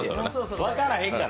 分からへんから。